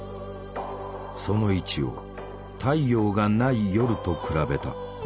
その位置を太陽がない夜と比べた。